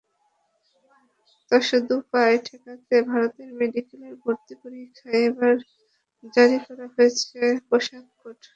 অসদুপায় ঠেকাতে ভারতে মেডিকেলের ভর্তি পরীক্ষায় এবার জারি করা হয়েছে পোশাক কোড।